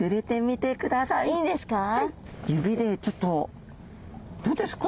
指でちょっとどうですか？